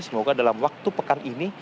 semoga dalam waktu pekan ini